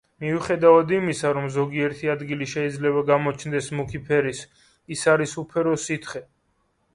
მიუხედავად იმისა, რომ ზოგიერთი ადგილი შეიძლება გამოჩნდეს მუქი ფერის, ის არის უფერო სითხე.